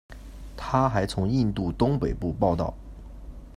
他还从印度东北部报道。